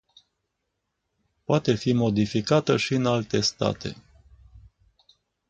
Poate fi modificată și în alte state.